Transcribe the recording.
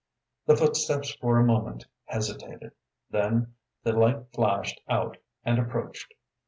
The footsteps for a moment hesitated. Then the light flashed out and approached.